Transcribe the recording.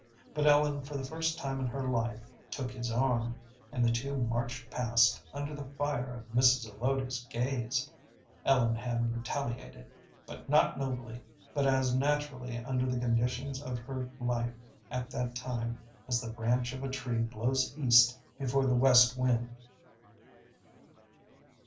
But Ellen for the first time in her life took his arm, and the two marched past under the fire of Mrs. Zelotes's gaze. Ellen had retaliated, not nobly, but as naturally under the conditions of her life at that time as the branch of a tree blows east before the west wind.